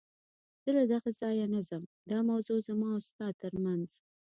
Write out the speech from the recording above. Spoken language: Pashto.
زه له دغه ځایه نه ځم، دا موضوع زما او ستا تر منځ.